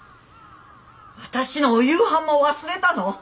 私のお夕飯も忘れたの？